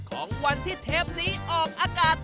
ของวันที่เทปนี้ออกอากาศ